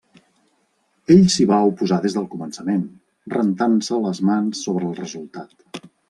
Ell s'hi va oposar des del començament, rentant-se les mans sobre el resultat.